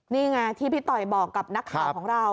นี่ไงที่พี่ต่อยบอกกับนักข่าวของเรา